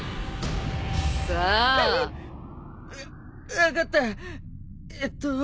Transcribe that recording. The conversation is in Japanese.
分かったえっと。